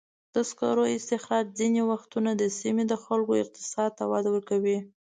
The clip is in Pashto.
د سکرو استخراج ځینې وختونه د سیمې د خلکو اقتصاد ته وده ورکوي.